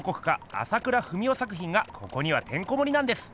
朝倉文夫作品がここにはてんこもりなんです。